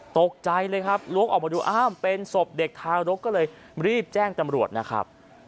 ตกใจเลยครับล้วงออกมาดูอ้าวเป็นศพเด็กทารกก็เลยรีบแจ้งตำรวจนะครับ